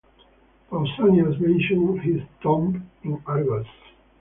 Pausanias mentions his tomb in Argos.